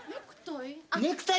ネクタイ？